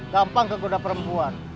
gampang kegoda perempuan